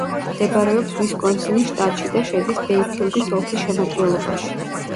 მდებარეობს უისკონსინის შტატში და შედის ბეიფილდის ოლქის შემადგენლობაში.